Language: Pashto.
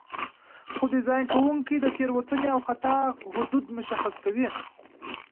خو ډیزاین کوونکي د تېروتنې او خطا حدود مشخص کوي.